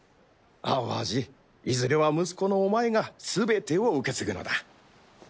アワジいずれは息子のお前がすべてを受け継ぐのだ。